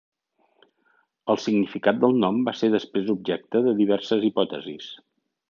El significat del nom va ser després objecte de diverses hipòtesis.